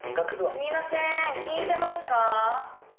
すみません聞いてますか？